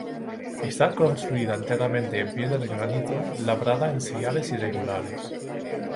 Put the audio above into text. Está construida enteramente en piedra de granito, labrada en sillares irregulares.